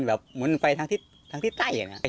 แบบเหมือนไฟทางที่ใต้เนี่ยนะครับ